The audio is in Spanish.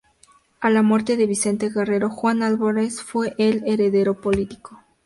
A la muerte de Vicente Guerrero, Juan Álvarez fue el heredero político.